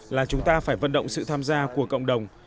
là chúng ta phải vận động sự tham gia của cộng đồng